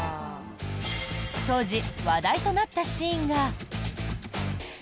当時、話題となったシーンが。